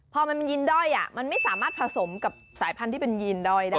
พอมันยินด้อยมันไม่สามารถผสมกับสายพันธุ์ที่เป็นยีนด้อยได้